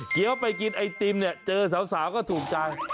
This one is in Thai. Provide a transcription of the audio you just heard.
เกี๊ยวไปกินไอติมเจอสาวก็ถูกใจ